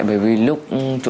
mà phải làm với số lượng lớn